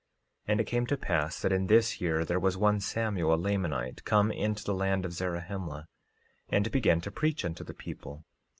13:2 And it came to pass that in this year there was one Samuel, a Lamanite, came into the land of Zarahemla, and began to preach unto the people.